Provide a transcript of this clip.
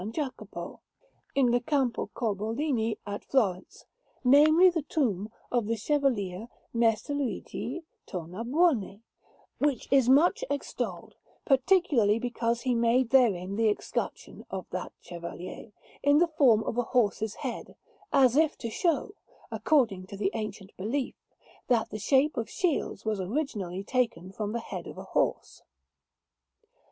Jacopo, in the Campo Corbolini at Florence namely, the tomb of the Chevalier Messer Luigi Tornabuoni, which is much extolled, particularly because he made therein the escutcheon of that Chevalier, in the form of a horse's head, as if to show, according to the ancient belief, that the shape of shields was originally taken from the head of a horse.